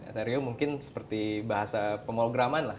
ethereum mungkin seperti bahasa pemograman lah